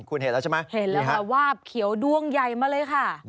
คุณเห็นแล้วใช่ไหมหวาบเขียวดวงใยมาเลยค่ะ